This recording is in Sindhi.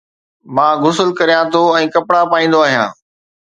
مان غسل ڪريان ٿو ۽ ڪپڙا پائيندو آهيان